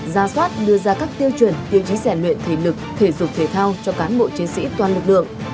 ra soát đưa ra các tiêu chuẩn tiêu chí giải luyện thể lực thể dục thể thao cho cán bộ chiến sĩ toàn lực lượng